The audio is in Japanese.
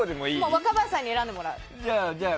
若林さんに選んでもらう。